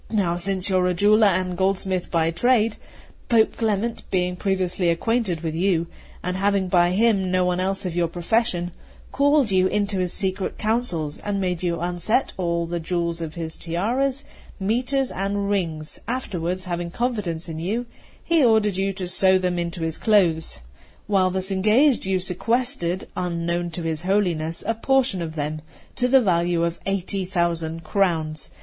Now since you are a jeweller and goldsmith by trade, Pope Clement, being previously acquainted with you, and having by him no one else of your profession, called you into his secret counsels, and made you unset all the jewels of his tiaras, mitres, and rings; afterwards, having confidence in you, he ordered you to sew them into his clothes. While thus engaged, you sequestered, unknown to his Holiness, a portion of them, to the value of eighty thousand crowns.